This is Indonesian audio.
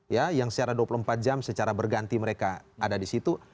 ya yang secara dua puluh empat jam secara berganti mereka ada di situ